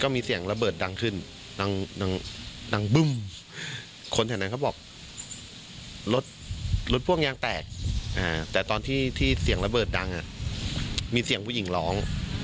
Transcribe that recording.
มีเสียงผู้หญิงร้อง